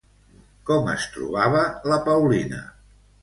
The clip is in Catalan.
Com es trobava la Paulina?